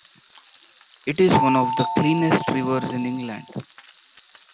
It is one of the cleanest rivers in England.